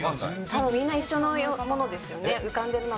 多分みんな一緒のものですよね。